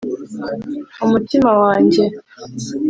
umutima wanjye